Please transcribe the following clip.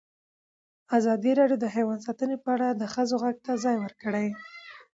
ازادي راډیو د حیوان ساتنه په اړه د ښځو غږ ته ځای ورکړی.